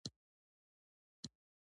زه تر ملګرو لږ وخته ووتم چې جلبۍ واخلم.